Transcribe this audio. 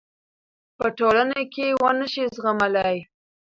پـه ټـولـنـه کـې ونشـي زغـملـى .